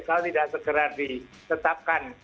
kalau tidak segera ditetapkan